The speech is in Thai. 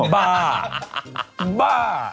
บ้า